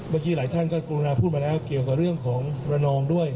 เมื่อกี้หลายท่านก็กรุณาพูดมาแล้วเกี่ยวกับเรื่องของระนองด้วย